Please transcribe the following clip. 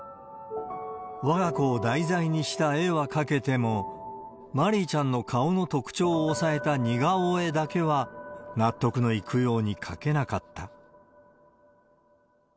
わが子を題材にした絵は描けても、まりいちゃんの顔の特徴をおさえた似顔絵だけは、納得のいくように描けなかった。